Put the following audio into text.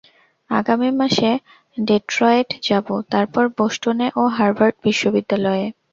আগামী মাসে ডেট্রয়েট যাব, তারপর বোষ্টনে ও হার্ভার্ড বিশ্ববিদ্যালয়ে।